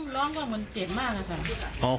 ร้องร้องก็มันเจ็บมากนะคะ